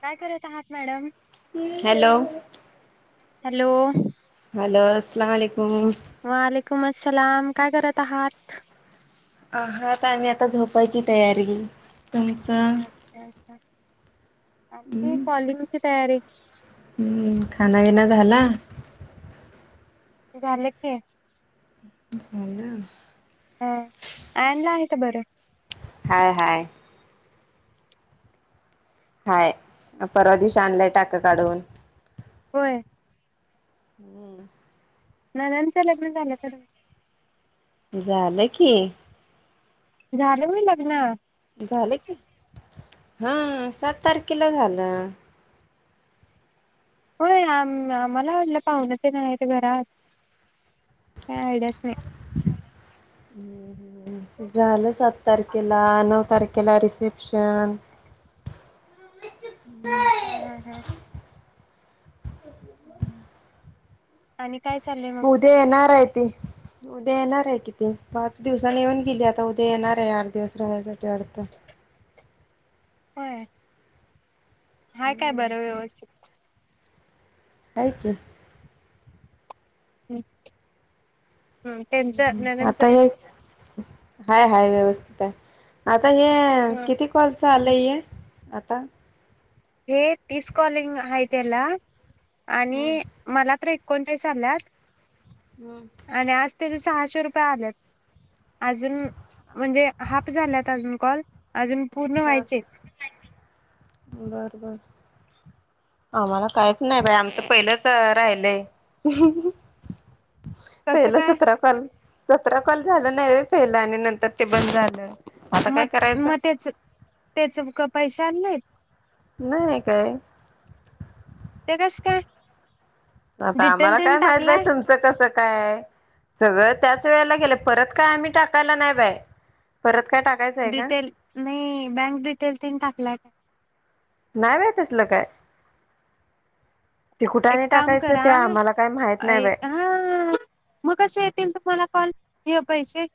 काय करत आहात मॅडम. हॅलो. हॅलो. हॅलो असलालकुम. वालेकुम असलाम काय करत आहात. आ हा आता आम्ही आता झोपायची तयारी. तुमचं हम्म कॉलिंगची तयारी. हम्म खाना विना झाला. झालं की. झालं. ह आयनला आहे का बरं. हाय, हाय. हाय परवा दिवशी, आणलंय टाक काढून. होय. हूं! नंनंदच, लग्न झालं कद. झालं की. झालं होय लग्न. झालं की हा सात, तारखेला झाल. होय आम आम्हाला वाडलं पाहुण, तेन आहेत घरात काय आयडियाच नाही. हूं हूं! झालं सात तारखे ला न. तारकेला रिसेप्शन. ह ह ह! आणि. काय चाललंय मग उद्या येणार आहेत. उद्या येणार आहे कि ती पाच दिवसानी येऊन गेली, आता उद्या येणार आहे आठ दिवस राहायसाठी वाटतं. हय. हाय काय हम्म बर व्यवस्थित. हाय की. [inaudible] हूं हूं ननंदच आता हे. हाय हाय व्यवस्थित आहे आ ता ले किती कॉल झा झालंय आता. हे तीस कॉलिंग हाय तेला. हम्म आणि मला. एकोणचाळीस आल्यात. हम्म आणि आज ते. सहाशे रुपये आल्यात, अजून म्हणजे हाफ झाल्यात अजून कॉल. अजून पूर्ण हा व्हायचे. बर आम्हाला काहीच नाही बाई आमचं पहिलंच राहिलंय. कसं पहिला काय सतरा कॉल सतरा कॉल झालं नाही व्हय पहिला आणि नंतर ते बंद झालं. आता म काय म करायचं तेच त्याच का पैशे आले नाहीत? नाही काय? ते कस काय? आता डिटेल आम्हाला तेन काय माहित बाई टाकलाय तुमचं कसं? काय सगळ त्याच वेळेला केलंय, परत काय आम्ही टाकायला नाही बाई परत काय टाकायचं आहे का डिटेल नाही बँक डिटेल तेन टाकलाय का? नाय बाई तसलं काय? ते एक कुठाने काम टाकायचं करा त्या आम्हाला काय माहित नाही ए बाई हा आ मग कस येतील तुम्हाला कॉल? ते पैसे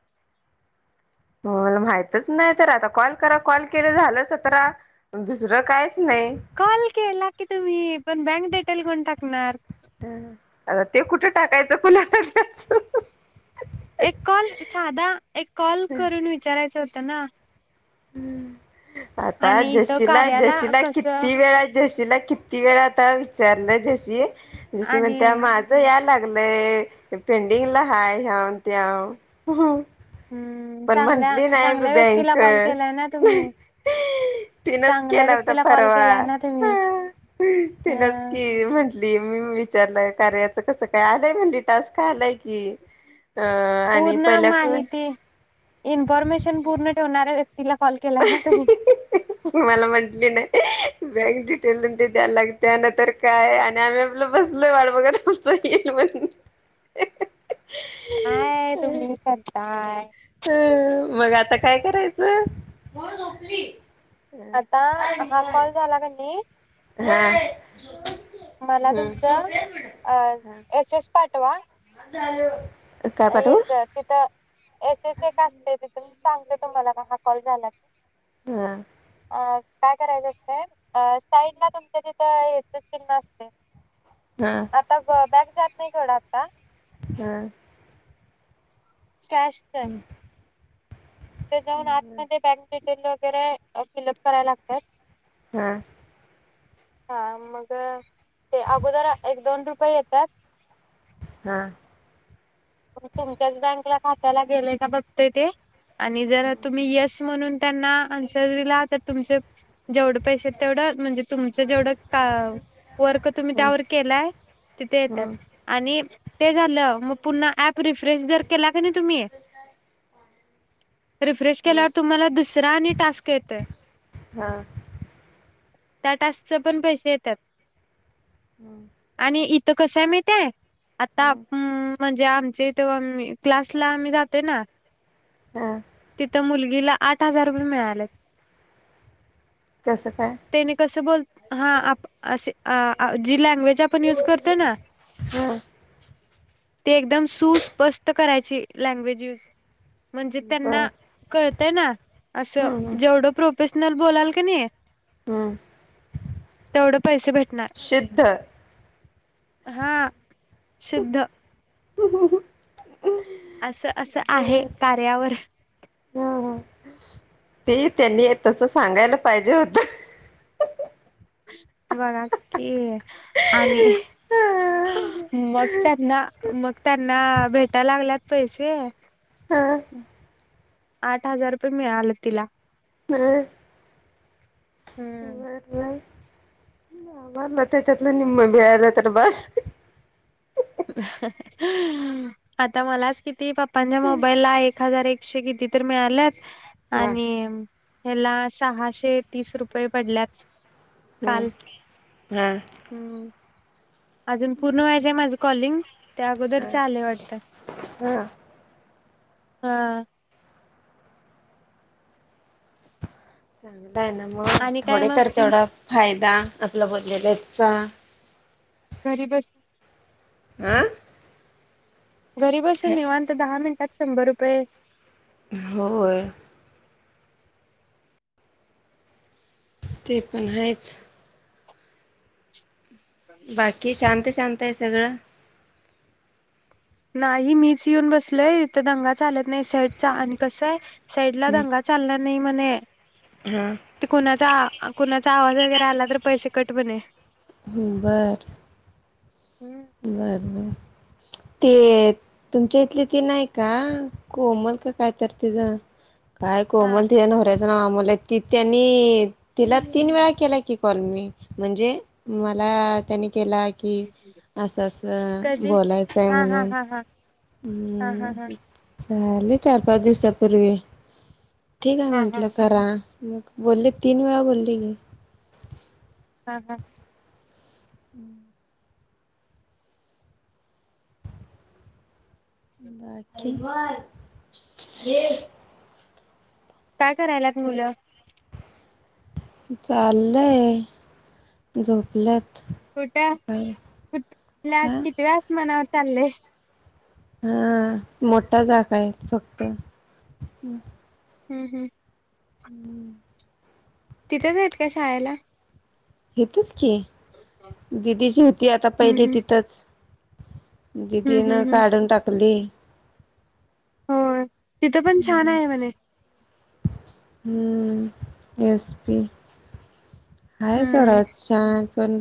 मला माहितच नाही, तर आता कॉल करा कॉल केलं झालं सतरा अन् दुसरं काय? कॉल केला, की तुम्ही पण बँक डिटेल कोण टाकणार? ह आता ते कुठं टाकायचं कुणाला द्यायचं? एक कॉल साधा एक कॉल करून विचारायचा होत. त ना. [inaudible] आता आणि इथं जशीला, कार्याला जशीला कसं किती वेळा जशीला? किती वेळ आता विचारलं जशी? जशी आणि म्हणतीया माझं याय लागलय. नाई पेंडिंगला हाय ह्याव त्याव हम्म पण चांगल्या म्हंटली नाही चांगल्या व्यक्तीला बँक कॉल केलाय ना तुम्ही तिनच चांगल्या केला होता. व्यक्तीला कॉल केलाय परवा ना तुम्ही तिनच अ की म्हंटली मी विचारलय कार्याच कस काय? आलंय म्हणली टास्क आलाय की, अ आणि पूर्ण पहिल्याच माहिती इन्फॉर्मेशन पूर्ण ठेवणार आहे. मला म्हंटली नाही. बँक डिटेल ते द्यायला लागतीयान अन् तर काय? आणि आम्ही आपलं बसलोय वाट बघत बसलोय येईल म्हनून काय तुम्ही करताय? अ मग आता काय करायचं? आता हा कॉल झाला कनी हा. मला हम्म तुमचं अ एस एस पाठ अवा जााल हेच तिथं एस एस एक का असते तिथून सांगते तुम्हाला हा कॉल झाला क ह अ काय करायचं असतंय साईड ला तुमच्या तिथं हच चिन्ह असते हा आता बॅग जात नाही थोडा आता हा कॅश तर तर जाऊन आतमध्ये बँकेत तेल वगैरे अ फिलअप करायला लागतात हा हा मग ते अगोदर एक दोन रुपये येतात हा म तुमच्याच बँक ला खात्याला गेलेय का बघते ते आणि जरा हम्म तुम्ही यस म्हनून त्यांना आन्सर दिला त तुमचे जेवढं पैसे तेवढं म्हणजे तुमचं जेवढं का वर्क तुम्ही हम्म त्यावर केलाय तिथे येतात आणि ते झालं मग पुन्हा ऍप रिफ्रेश जर केला क नाही तुम्ही रिफ्रेश हम्म केल्यावर तुम्हाला दुसरा आणि टास्क येतोय. हा त्या टास्क च पण पैसे येतात. [inaudible] तर कसय महिते आता उ म्हणजे आम ते तो अमी क्लासला आम्ही जातोय ना हा तिथ मुली हिला आठ हजार रुपये मिळाले कसं काय त्याने कस बोल हा आप असे आ अ जिलाक वेळीच आपण युज करतो ना. हा ते एकदम सुस्पष्ट करायची लँग्वेज यूज. म्हणजे त्यांना बर कळतय ना अस हम्म जेवढं प्रोफेश [unintelligible] हम्म. [unintelligible] शिद्ध. हा शुद्ध. ह ह ह. असं असं आहे कार्यावर. ते त्यांनी तस सांगायला पाहिजे होत. बघा कि आणि मग त्यांना मग त्यांना भेटाय लागल्यात पैसे हा. आठ हजार रुपये मिळालेत तिला. अ. हम्म बर मर मरला त्याच्यातलं निम बेला तरार बस आता मलाच किती? प मोबाईल ला एक हजार एक किती तर मिळाल्यात? हा आणि ह्याला सहाशे तीस रुपये पडल्यात. हम्म काल हा हम्म. अजून पूर्ण व्हायचं आहे माझं कॉलिंग त्या अगोदर हा आलेय वाटतात. हा हा. चांगल. आहे ना मग आणि काय थोडे मग तर तेवढा फायदा. लबत ज ललेपसा. घरी बस. [unintelligible] घरी बसून निेऊन तर दहा मिनटात. शंभर रुपये. होय. ते पण आहेतच. बाकी शांत. शांत आहे सगळं. नाही मीच येऊन बसलोयथ दंगा चालत नाही सेडचा आणि कस आहे. सईड ला दंग चल. नाही म हा ते कुणाचा कुणाचा आवाज? आल्र पैसे कट बणे. बर. बर. ते तुमच्या इथले ते नाही का कोमल का काय तर तिच काय हा कोमल तीच [unintelligible] त्यांनी तिला तीन वेळा केला की कॉल मी म्हणजे मला त्यांनी केला की. असं असं कधी बोलायचं आहे हा हा म्हणून... हा हा हा हा हा हं झाले चार पाच दिवसापूर्वी.. ठीक आहे हा हा म्हंटलं करा. मग बोली तीन वेळा बोली कीं. रिकामा ऑडिओ रिकामा ऑडिओ बाकी. काय करायलात मूल? चाललंय झोपलेत. [unintelligible] हा चाललय. अ.. मोठा जागा आहे. फक्त. हम्म. ह. रिकामा ऑडिओ तिथंच आहेत का शाळेला? रिकामा ऑडिओ की दिदीची होती आता हम्म पहिली हम्म तिथंच.. हम्म दिदी न हम्म हम्म काढून टाकली. हो तिथं पण छान आहे म्हणे. हम एस पी. हाय हम्म सोरच छान. पण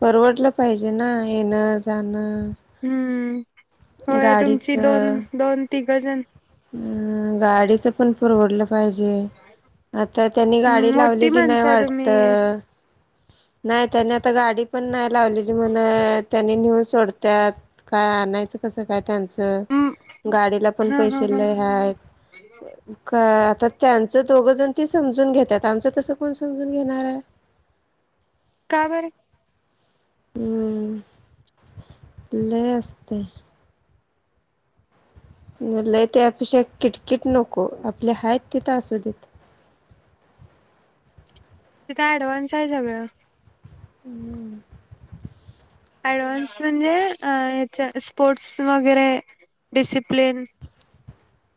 परवडलं पाहिजे ना! येणं जाणं. हम्म. होय तुमची दोन गाडीचं दोन तिघजण. अ गाडीचं पण परवडलं पाहिजे आता त्यांनी गाडी हम्म मोठी लावलेली नाही माणसं वाटत. तुम्ही नाही त्याने आता गाडी पण नाही लावलेली म्हण त्यानी नेऊन सोडत्यात. काय अनायचं कस काय? त्यांच गाडीला पण हा पैसे हा ल हा हाय. काय आता त्यांचं दोघाजन.. ती समजून घेतात आमचं तसं कोण समजून घेणार हाय? का बरं हम्म लय असतय. लय त्यापेक्षा किटकिट नको आपले हाय तिथं असू देत. तिथं ऍडव्हान्स आहे सगळं हम्म. ऍडव्हान्स म्हणजे याच अह स्पोर्ट्स वगैरे डिसिप्लन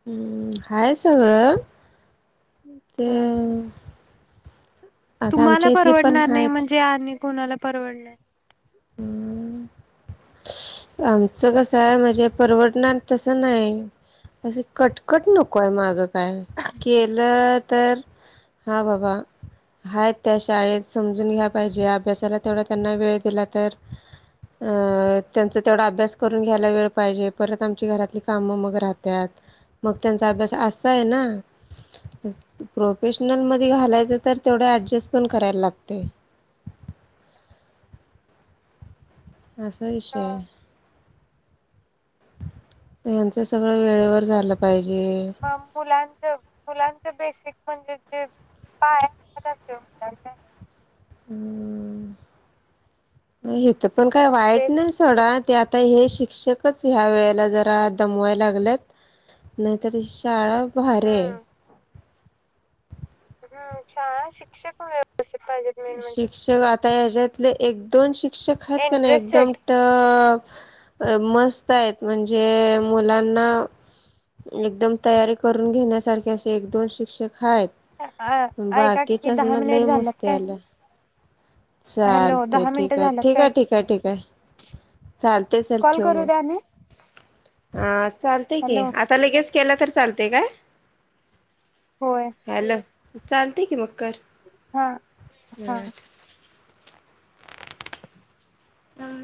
हम्म हाय सगळं ते ह आता तुम्हाला आमच्या इथली पण परवडणार नाही आहेत. म्हणजे आणि कोणाला परवडलं हम्म. आमचं कस आहे म्हणजे परवडणार तसं नाही असं कटकट नको आहे माग काय केलं तर हा बाबा आहेत त्या शाळेत समजून घ्या पाहिजे अभ्यासाला तेवढा त्यांना वेळ दिला तर अ त्यांचा तेवढा अभ्यास करून घ्यायला वेळ पाहिजे परत आमची घरातली कामं मग राहतात मग त्यांचा अभ्यास असा आहे ना प्रोफेशनल मध्ये घालायचं तर तेवढ ऍडजस्ट पण करायला लागते. असा विषय आहे. यांचं सगळं वेळेवर झालं पाहिजे अ मुलांच मुलां बेसिक म्हणजे जे पाय [unintelligible] हम्म म ते पण काय वाईट बेस नाही सोडा ते आता हे शिक्षकच ह्या वेळेला जरा दमवाय लागल्यात नाहीतरी शाळा खूप भारी आहे. हम्म हम्म शाळा शिक्षक व्यवस्थित पाहिजेत मेन म्हणजे शिक्षक आता हच्यातले एक दोन शिक शिक्षक आहेत पण इंटरेस्ट एकदम सेट ट मस्त आहेत म्हणजे मुलांना एकदम तयारी करून घेण्यासारखे असे एक दोन शिक्षक हायत पण ऐका की बाकीच्यासन दहा मिनिट लई झाल्यात मस्ती काय आल्या हॅलो चालतय दहा ठीक मिनिटं आहे झाल्यात ठीक काय आहे ठीक आहे ठीक आहे चालते चल कॉल ठेव करू मग द्या आणि अ चालतय की हॅलो आता लगेच केला तर चालते काय होय हॅलो. चालते की मग कर हा हा [unintelligible] हम्म.